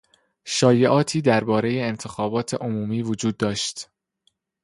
شایعاتی دربارهی انتخابات عمومی وجود داشت.